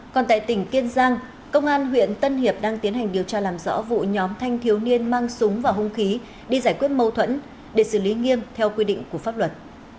còn tại tỉnh kiên giang công an huyện tân hiệp đang tiến hành điều tra làm rõ vụ nhóm thanh thiếu niên mang súng và hung khí đi giải quyết mâu thuẫn để xử lý nghiêm theo quy định của pháp luật